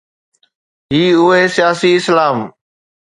هي آهي ’سياسي اسلام‘.